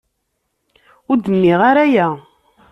Ur d-nniɣ ara aya.